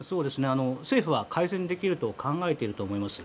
政府は改善できると考えていると思います。